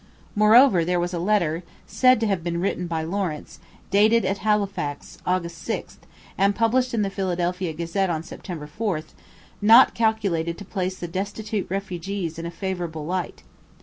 Moreover, there was a letter, said to have been written by Lawrence, dated at Halifax, August 6, and published in the Philadelphia Gazette on September 4, not calculated to place the destitute refugees in a favourable light.